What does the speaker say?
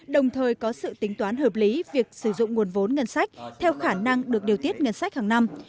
đồng thời có sự tính toán hợp lý việc sử dụng nguồn vốn ngân sách theo khả năng được điều tiết ngân sách hàng năm